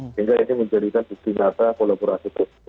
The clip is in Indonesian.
sehingga ini menjadikan istimewa kolaborasi